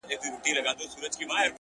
ستا د غرور حسن ځوانۍ په خـــاطــــــــر؛